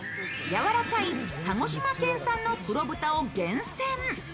やわらかい鹿児島県産の黒豚を厳選。